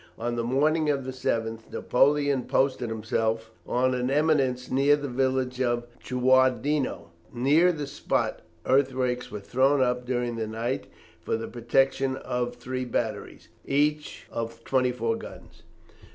On the morning of the 7th, Napoleon posted himself on an eminence near the village of Chewardino. Near the spot, earthworks were thrown up during the night for the protection of three batteries, each of twenty four guns.